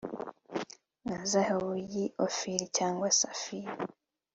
nka zahabu y'i ofiri cyangwa safiri